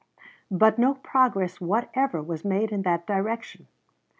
But no progress whatever was made in that direction.